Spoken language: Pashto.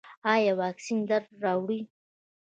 ایا واکسین درد راوړي؟